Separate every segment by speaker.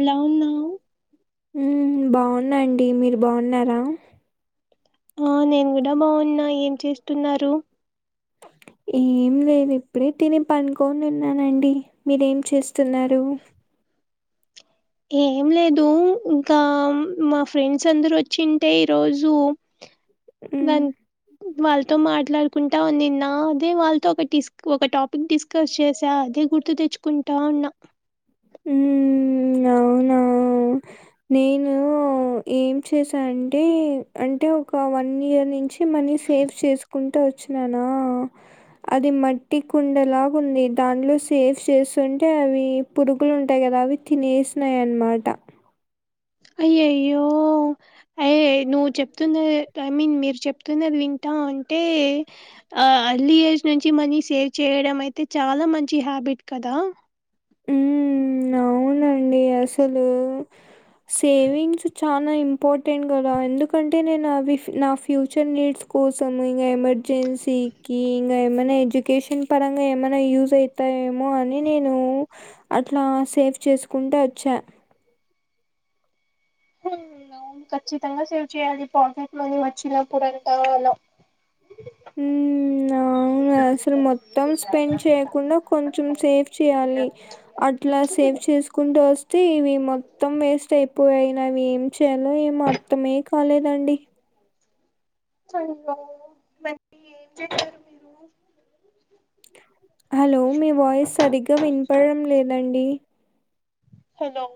Speaker 1: ఎలా ఉన్నావు?
Speaker 2: హ్మ్ బాగున్నా అండి. మీరు బాగున్నారా?
Speaker 1: ఆ నేను కూడా బాగున్నా. ఏం చేస్తున్నారు?
Speaker 2: ఏం లేదు ఇప్పుడే తిని పనుకొని ఉన్నానండి. మీరు ఏం చేస్తున్నారు?
Speaker 1: ఏం లేదు ఇంకా మా ఫ్రెండ్స్ అందరూ వచ్చింటే ఈరోజు
Speaker 2: హ్మ్.
Speaker 1: నన్ వాళ్ళతో మాట్లాడుకుంటా ఉండినా. అదే వాళ్ళతో ఒక డిస్ ఒక టాపిక్ డిస్కస్ చేసా అదే గుర్తు తెచ్చుకుంటా వున్నా
Speaker 2: హ్మ్ అవునా నేను ఏం చేశాంటే అంటే ఒక వన్ ఇయర్ నుంచి మనీ సేవ్ చేసుకుంటూ వచ్చిననా అది మట్టి కుండలాగా ఉంది దాంట్లో సేవ్ చేస్తుంటే అవి పురుగులు ఉంటాయి కదా అవి తినేసినాయ్ అన్నమాట
Speaker 1: అయయ్యో అయ నువ్వు చెప్తున్నది ఐ మీన్ మీరు చెప్తున్నది వింటా ఉంటే ఆ అర్లీ ఏజ్ నుంచి మనీ సేవ్ చేయడం అయితే చాలా మంచి హ్యాబిట్ కదా
Speaker 2: ఉమ్ అవునండి అసలు సేవింగ్స్ చాలా ఇంపార్టెంట్ కదా ఎందుకంటే నేను అవి నా నా ఫ్యూచర్ నీడ్స్ కోసం ఇంకా ఎమర్ ఎజెన్సీకి ఇంకా ఏమైనా ఎడ్యుకేషన్ పరంగా ఏమైనా యూజ్ అవుతాయేమో అని నేను అట్లా సేఫ్ చేసుకుంటవచ్చా
Speaker 1: ఆ లోన్ ఖచ్చితంగా సేవ్ చేయాలి పాకెట్ మనీ వచ్చినప్పుదంత అలా
Speaker 2: ఉమ్ నా అవును గాదా అసలు మొత్తం స్పెండ్ చేయకుండా కొంచెం సేవ్ చేయాలి అట్లా సేవ్ చేసుకుంటూ వస్తే ఇవి మొత్తం వేస్ట్ అయిపోయాయి నావి ఏం చేయాలో ఏమో మొత్తమే కాలేదండి
Speaker 1: చాలా
Speaker 2: హలో మీ వాయిస్ సరిగ్గా వినపడడం లేదండి
Speaker 1: హలో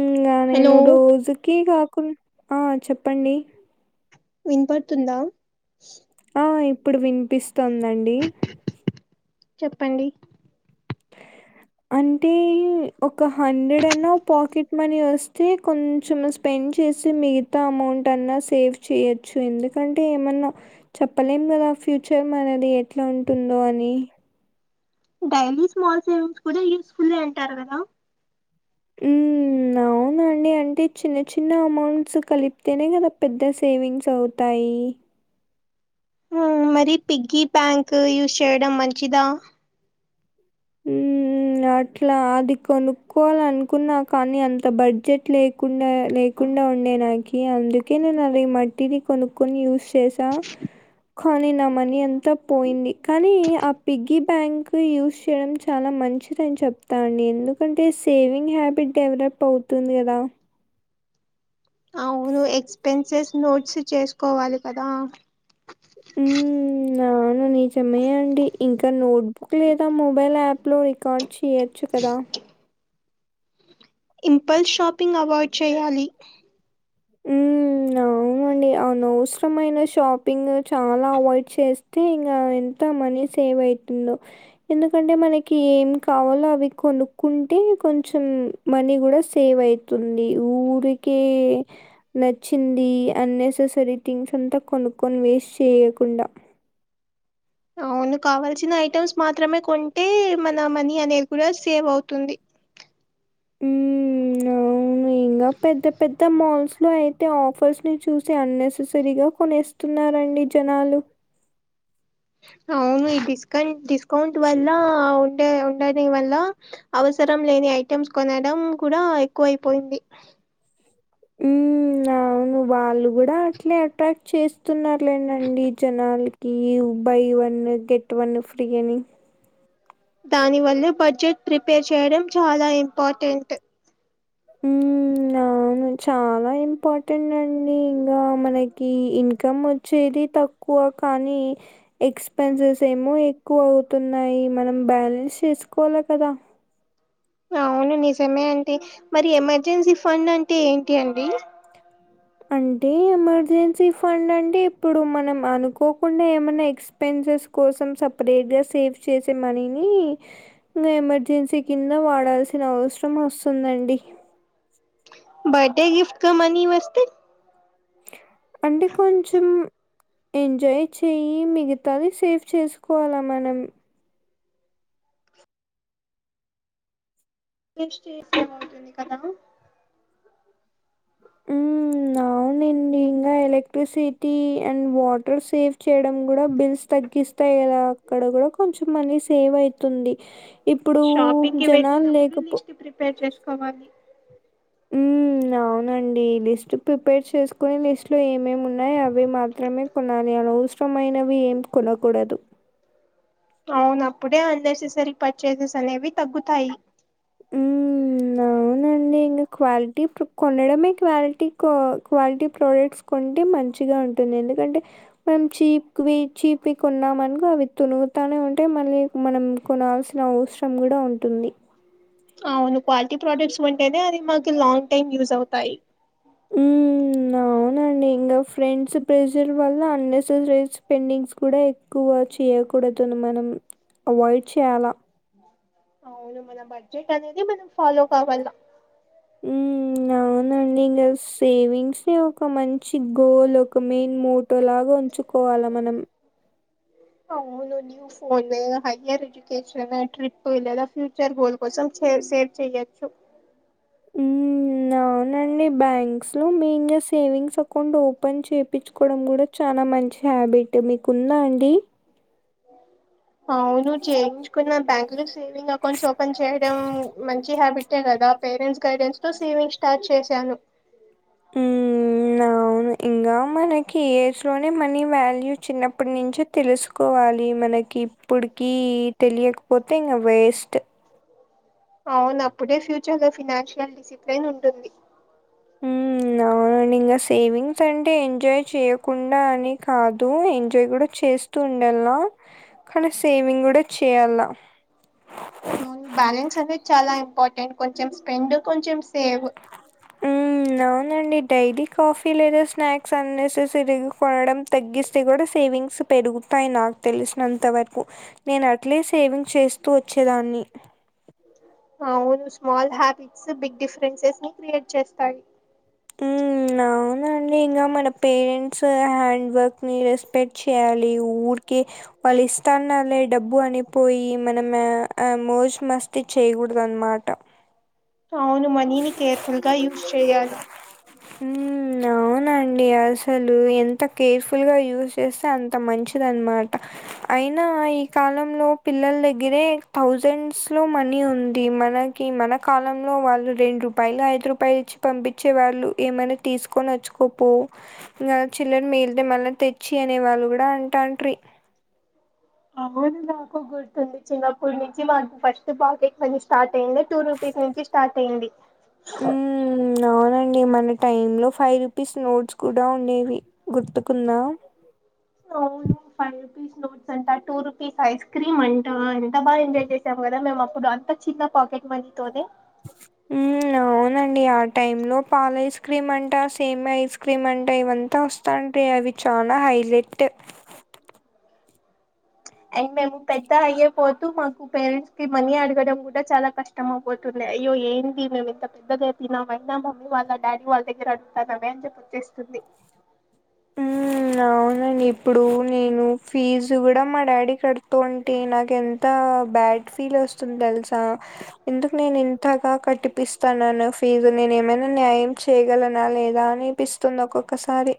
Speaker 2: ఇంగా
Speaker 1: హలో
Speaker 2: నేను రోజుకి కాకు ఆ చెప్పండి
Speaker 1: వినపడుతుందా
Speaker 2: ఆ ఇప్పుడు వినిపిస్తోందండి
Speaker 1: చెప్పండి
Speaker 2: అంటే ఒక హండ్రెడ్ అయిన పాకెట్ మనీ వస్తే కొంచెం పెండ్ చేసి మిగతా అమౌంట్ అన్నా సేవ్ చేయొచ్చు ఎందుకంటే ఏమన్నా చెప్పలేము కదా ఫ్యూచర్ మనది ఎట్లా ఉంటుందో అని
Speaker 1: డైలీ స్మాల్ సేవింగ్స్ కూడా యూస్ఫుల్ అంటారు కదా
Speaker 2: ఉమ్ అవునండి అంటే చిన్న చిన్న అమౌంట్స్ కలిపితేనే కదా పెద్ద సేవింగ్స్ అవుతాయి
Speaker 1: ఉమ్ మరి పిగ్గీ బ్యాంక్ యూజ్ చేయడం మంచిదా
Speaker 2: ఉమ్ ఉమ్ అట్లా అది కొనుక్కోవాలే అనుకున్నా కానీ అంత బడ్జెట్ లేకుండా లే కుండా ఉండే నాకి అందుకే నేను అది మట్టిది కొనుక్కొని యూస్ చేసా కానీ నా మనీ అంతా పోయింది కానీ ఆ పిగ్గి ప్యాంక్ యూష్ చేయడం చాలా మంచిదని చెప్తాండి ఎందుకంటే సేవింగ్ హ్యాబిట్ డెవలప్ అవుతుంది కదా
Speaker 1: అవును ఎక్స్పెన్సెస్ నోట్స్ చేసుకోవాలి కదా
Speaker 2: మ్మ్. అవును నిజమేండి ఇంకా నోట్బుక్ లేదా మొబైల్ యాప్ లో రికార్డ్ చేయొచ్చు కదా
Speaker 1: ఇంపల్ షాపింగ్ అవాయిడ్ చేయాలి
Speaker 2: ఉమ్ అ అవునండి అనవసరమైన షాపింగ్ చాలా అవాయిడ్ చేస్తే ఇంగా ఎంత మని సేవ్ అవుతుందో ఎందుకంటే మనకి ఏం కావాలో అవి కొనుక్కుంటే కొంచెం మనీ కూడా సేవయితుంది ఊరికే నచ్చింది అన్నెససరీ థింగ్స్ అంతా కొనుక్కొని వేస్ట్ చేయకుండ
Speaker 1: అవును కావాల్సిన ఐటమ్స్ మాత్రమే కొంటే మన మనీ అనేది కూడా సేవ్ అవుతుంది
Speaker 2: గ పెద్ద పెద్ద మాల్స్లో అయితే ఆఫర్స్ ని చూసి అన్నెససరీ గా కొనేస్ తున్నారు అండి జనాలు
Speaker 1: అవును డిస్కౌంట్ డిస్కౌంట్ వల్ల ఉంటె ఉండడం వల్ల అవసరం లేని ఐటమ్స్ కొనడం కూడా ఎక్కువయిపోయింది
Speaker 2: ఉమ్ ఇగ అవును వాళ్ళు కూడా అట్లే అట్రాక్ట్ చేస్తున్నారులేనండి జనాలు గీ buy one get one free అని
Speaker 1: దాని వల్ల బడ్జెట్ ప్రిపేర్ చేయడం చాలా ఇంపార్టెంట్
Speaker 2: ఉమ్ అవును చాలా ఇంపార్టెంట్ అండి ఇంకా మనకి ఇన్కమోచ్చేది తక్కువ కువ కాని ఎక్స్పెన్సెస్ ఏమో ఎక్కువ అవుతున్నాయి మనం బ్యాలెన్స్ చేసుకోవాలె కదా
Speaker 1: అవును నిజమే అండి మరి ఎమర్జెన్సీ ఫండ్ అంటే ఏంటి అండి
Speaker 2: అంటే ఎమర్జెన్సీ ఫండ్ అంటే ఇప్పుడు మనం అనుకోకుండా ఏమన్న ఎక్స్ ఎక్స్పెన్సెస్ కోసం సపరేట్గా సేవ్ చేసే మనీని ఇంకా ఎమర్జెన్సీ కింద వాడాల్సిన అవసరం వస్తుందండి
Speaker 1: బర్డే గిఫ్ట్క మనీ వస్తే
Speaker 2: అంటే కొంచం ఎంజాయ్ చేయి మిగతావి సేవ్ చేసుకోవాలా మనం
Speaker 1: నెక్స్ట్ చేసే ఉంటుంది కదా
Speaker 2: ఉమ్ అవునండి ఇంగ ఎలక్ట్రిసిటీ అండ్ వాటర్ సేఫ్ చేయడం కూడా బిల్స్తగ్గిస్తి కద అక్కడ కూడా కొంచెం మనీ సేవ్ అయితుంది ఇప్పుడు జనాలు లేకపో
Speaker 1: పే చేసుకోవాలి
Speaker 2: మ్మ్, అవునండి లిస్ట్ ప్రిపేర్ చేసుకుని లిస్ట్లో ఏమేమున్నమో అవి మాత్రమే కొనాలి అలా అవసరమైనవి ఏం కొనకూడదు
Speaker 1: అవునప్పుడే అన్నెసెసరీ పర్చేసెస్ అనేవి తగ్గుతాయి
Speaker 2: ఉమ్ నవునండి ఇగ క్వాలిటీ కొనడమే క్వాలిటీ క క్వాలిటీ ప్రోడక్ట్స్ కొంటే మం చిగ ఉంటుంది ఎందుకంటే మనం చీప్వి చీప్ కొన్నామనుగా అవి తునుగుతానే ఉంటయి మళ్ళీ మనం కొనాల్సిన అవసరం కూడా ఉంటుంది
Speaker 1: అవును క్వాలిటీ ప్రోడక్ట్స్ కొంటేనే అది మాకు లాంగ్ టైమ్ యూజ్ అవుతాయి
Speaker 2: ఉమ్ అ ఇంకా ఫ్రెండ్స్ ప్రెజర్ వల్ల అన్నెససరీస్ పెండింగ్స్ కూడా ఎక్కువ చేయి కూడాదాన్ని మనం అవాయిడ్ చేయాలా
Speaker 1: అవును మన బడ్జెట్ అనేది మనం ఫాలో కావాల
Speaker 2: ఉమ్ నవ్ అవునండీ ఇంగా సేవింగ్సె ఒక మంచి గోల్ ఒక మెయిన్ మోటో లా ఉంచుకోవాలా మనం
Speaker 1: అవునన్యూ ఫోన్ లేదా హయ్యర్ ఎడ్యుకేషన్ అండ్ ట్రిప్పు లేదా ఫ్యూచర్ గోల్ కోసం షేవ్ సేవ్ చెయొచ్చు
Speaker 2: హ్మ్ అవునండి బ్యాంక్స్ లో మెయిన్ గా సేవింగ్స్ అకౌంట్ ఓపెన్ చేపిచ్ కోడం కూడా చాలా మంచి హ్యాబిట్ మీకుందా అండి
Speaker 1: అవును చేయించుకున్న బ్యాంకు లో సేవింగ్ అకౌంట్స్ ఓపెన్ చేయడం మంచి హ్యాబిటే కదా పేరెంట్స్ గైడెన్స్ తో సేవింగ్ స్టార్ట్ చేశాను
Speaker 2: ఇంకా మనకి ఈ ఏజ్లోనే మనీ వాల్యూ చిన్నప్పటి నుంచే తెలుసుకోవాలి మనకి ఇప్పుడుకి తెలియక్పోతే ఇంకా వేస్ట్
Speaker 1: అవును అప్పుడే ఫ్యూచర్ లో ఫినాన్షియల్ డిసిప్లేన్ ఉంటుంది
Speaker 2: హ్మ్. అవునండి ఇంకా సేవింగ్స్ అంటే ఎంజాయ్ చేయకుండా అని కాదు ఎంజాయ్ కూడా చేస్ తుండాలా కానీ సేవింగ్ కూడా చేయాల
Speaker 1: అవును బ్యాలెన్స్ అనేది చాలా ఇంపార్టెంట్ కొంచెం స్పెండ్ కొంచెం సేవ్
Speaker 2: హ్మ్.
Speaker 1: అ
Speaker 2: అవునండి డైలీ కాఫీ లేదా స్నాక్స్ అన్నెససరీగా కొనడం తగ్గిస్తే కూడా సేవింగ్స్ పెరుగుతాయి నాకు తెలిసినంతవరకు నేను అట్లే సేవింగ్ చేస్తూ వచ్చేదాన్ని
Speaker 1: అవును స్మాల్ హ్యాబిట్స్ బిగ్ డిఫరెన్సెస్ ని క్రియేట్ చేస్తాయి
Speaker 2: హ్మ్.
Speaker 1: అ
Speaker 2: అవునండి ఇంకా మన పేరెంట్స్ హ్యాండ్ వర్క్ని రెస్పెక్ట్ చేయాలి ఊర్కే వాళ్ళు ఇస్తాన్నలేే డబ్బు అనిపోయి మనం ఆ ఆ మోజ్ మస్త్ చేయకూడ్ద్ అన్మాట
Speaker 1: అవును మనీని కేర్ఫుల్ గా యూస్చేయాలి
Speaker 2: ఉమ్ ఆ అవునండి అసలు ఎంత కేర్ఫుల్గా యూస్ చేస్తే అంత మంచిదన్మాట అయినా ఈ కాలంలో పిల్లల్ దగ్గరే థౌజండ్స్ లో మనీ ఉంది మన ఈ మన కాలంలో వాళ్ళు రెండు రూపాయలు ఐదు రూపాయలు ఇచ్చి పంపిచ్ ఇచ్చే వాళ్ళు ఏమైనా తీసుకొని వచ్చుకపో ఇంగా చిల్లర్ మిగిలితే మళ్ళ తెచ్చి అనే వాళ్ళు కూడా అంటాడ్రీ
Speaker 1: అవును నాకు గుర్తుంది చిన్నపట్నుంచి మాకు ఫస్ట్ పాకెట్ మని స్టార్ట్ అయిందె టూ రూపీస్ నుంచ్ స్టార్ట్ అయింది
Speaker 2: హ్మ్ అవునండి మన టైమ్ లో ఫైవ్ రూపీస్ నోట్స్ కూడా ఉండేవి గుర్తుకుందా
Speaker 1: అవును ఫై రు టూ రూపీస్ నోట్స్ అంట టూ రూపీస్ ఐస్ క్రీమ్ అంట ఎంత బా ఎంజాయ్ చేసాం కదా మేము అప్పుడు అ చిన్న పాకెట్ మనీ తోన్
Speaker 2: ఉమ్ [inaudible] అవునండి ఆ టైమ్ లో పాలైస్క్రీమ్ అంటా సేమ్ ఐస్ క్రీమ్ అంటా ఇవంతా అంటే అవి చానా హైలైట్
Speaker 1: అండ్ మేము పెద్ద అయ్య పోతూ మాకు పేరెంట్స్ కి మనీ అడగడం కూడా చాలా కష్ ష్టమపోతుందె అయ్యో ఏంది మేము ఇంత పెద్దగయ్ తినమ్ అయినా మమ్మీ వాళ్ళ డాడీ వాళ్ళ దగ్గర అడుగుతానామే అని చెప్పి ఇస్తుంది
Speaker 2: హ్మ్. అవునండి ఇప్పుడు నేను ఫీజు కూడా మా డాడీ కడుతూ ఉంటే నాకు ఎం ఎంత బ్యాడ్ ఫీల్ వస్తుందో తెలుసా ఎందుకు నేను ఇంతగా కట్టిపిస్తాన్నాను ఫీజు నేను ఏమైనా న్యాయం చేయగలనా లేదా అని అనిపిస్తుంది ఒక్కొక్కసారి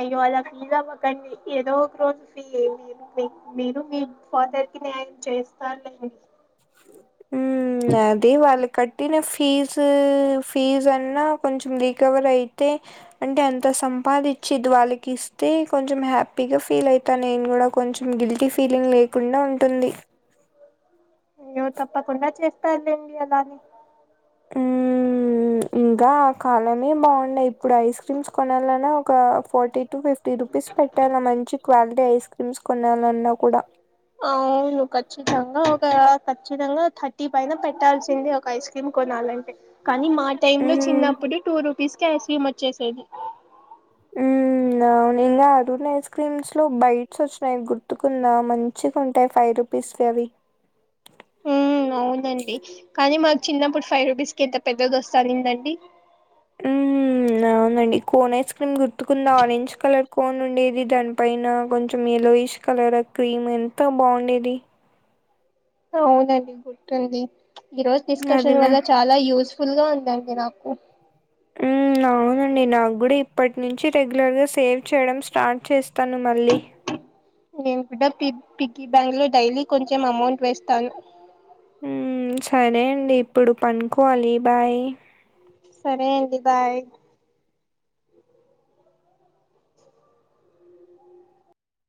Speaker 1: అయ్యో అలా పీల్ అవ్వకండి ఏదో ఒక రోజు ఫీ మీరు మీ ఫాదర్ కి న్యాయం చేస్తారులే ఇ
Speaker 2: మ్మ్ అది వాళ్ళు కట్టిన ఫీజు ఫీజు అన్నా కొంచెం రికవర్ అయితే అంటే ఎంత సంపాదిచ్చి ఇది వాళ్ళకి ఇస్తే కొంచెం హ్యాపీగా ఫీల్ అయి తా నేను కూడా కొంచెం గిల్టీ ఫీలింగ్ లేకుండా ఉంటుంది
Speaker 1: నువ్వు తప్పకుండా చేస్తారులేండి అలానే
Speaker 2: ఆమ్ ఇంకా కాలనే బాగుండయి ఇప్పుడు ఐస్ క్రీమ్స్ కొనాలన్నా ఒక ఫార్టీ టు ఫిఫ్టీ తటీ రూపీస్ పెట్టాలా మంచి క్వాలిటీ ఐస్ క్రీమ్స్ కొనాలన్నా కూడా
Speaker 1: అవును ఖచ్చితంగా ఒక ఖచ్చితంగా థర్టీ పైన పెట్టాల్సింది ఒక ఐస్ క్రీమ్ కొనాలంటే కానీ మా టైమ్ లో
Speaker 2: మ్మ్
Speaker 1: చిన్నప్పుడు టూ రూపీస్ కే ఐస్ క్రీమ్ వచ్చేసేది
Speaker 2: మ్మ్ ఇంకా అరుణ ఐస్ క్రీమ్స్ లో బైట్స్ వచ్చినాయి గుర్తుకుందా మంచిగా ఉంటాయి ఫైవ్ రూ పిస్ లో అవి
Speaker 1: ఉమ్ అవునండి కానీ మాకు చిన్నప్పుడు ఫైవ్ రూపీస్ కి ఎంత పెద్దది వస్తా అనిందండి
Speaker 2: ఉమ్ అవునండి కోన్ ఐస్ క్రీమ్ గుర్తుకుందా ఆరెంజ్ కలర్ కోన్ ఉండేది దానిపైన కొంచెం యలోయిష్ కలర్ క్రీమ్ ఎంత బాగుండేది
Speaker 1: అవునండి గుర్తుంది ఈ రోజు
Speaker 2: అది
Speaker 1: డిస్కషన్
Speaker 2: నా
Speaker 1: వల్ల చాలా యూజ్ పుల్ గా ఉందండి నాకు
Speaker 2: హ్మ్ అవునండి నాగూడా ఇప్పటి నుంచి రెగ్యులర్గా సేవ్ చేయడం స్టార్ట్ చేస్తాను మళ్ళీ.
Speaker 1: నేను కూడా పి పిగ్గీ బ్యాంక్ లో డైలీ కొంచెం అమౌంట్ వేస్తాను.
Speaker 2: ఉమ్ సరే అండి ఇప్పుడు పనుకోవాలి బాయ్.
Speaker 1: సరే అండి బాయ్